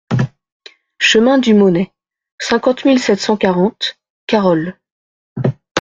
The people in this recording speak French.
Chemin du Maunet, cinquante mille sept cent quarante Carolles